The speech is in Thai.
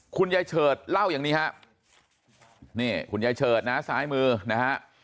คุณยายเฉิดเล่าอย่างนี้ครับนี่คุณยายเฉิดนะซ้ายมือนะฮะ